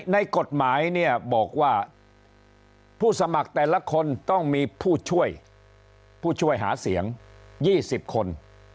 ในกฎหมายเนี่ยบอกว่าผู้สมัครแต่ละคนต้องมีผู้ช่วยผู้ช่วยหาเสียง๒๐คน